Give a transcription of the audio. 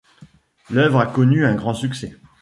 L'œuvre a connu un grand succès.